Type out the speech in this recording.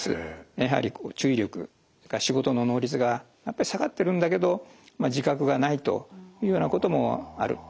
やはり注意力それから仕事の能率が下がってるんだけど自覚がないというようなこともある。